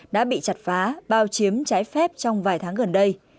đã bị chặt phá bao chiếm trái phép trong vài tháng gần đây